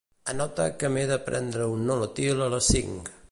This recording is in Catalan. Anota que m'he de prendre un Nolotil a les cinc.